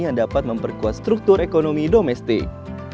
yang dapat memperkuat struktur ekonomi domestik